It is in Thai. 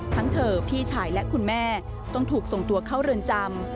ทั้งเธอพี่ชายและคุณแม่ต้องถูกส่งตัวเข้าเรือนจำ